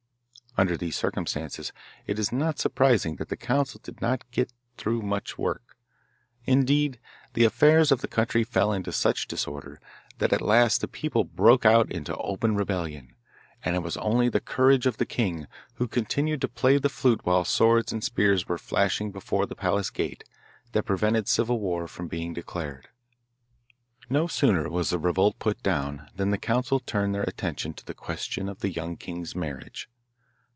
Under these circumstances it is not surprising that the Council did not get through much work. Indeed, the affairs of the country fell into such disorder that at last the people broke out into open rebellion, and it was only the courage of the king, who continued to play the flute while swords and spears were flashing before the palace gate, that prevented civil war from being declared. No sooner was the revolt put down than the Council turned their attention to the question of the young king's marriage.